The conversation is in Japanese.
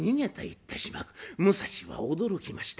武蔵は驚きました。